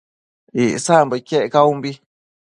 Icsambo iquec caunbi